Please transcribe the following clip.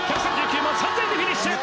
１３９万３０００円でフィニッシュ！